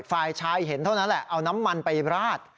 ฝ่ายชายเห็นเท่านั้นแหละเอาน้ำมันไปราด